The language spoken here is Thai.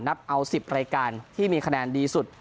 นับเอา๑๐รายการที่มีคะแนนดีสุด